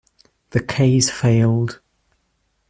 The case failed.